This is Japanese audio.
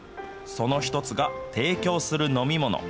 その一つが提供する飲み物。